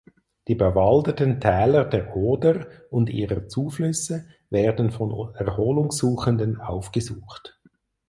Die bewaldeten Täler der Oder und ihrer Zuflüsse werden von Erholungssuchenden aufgesucht.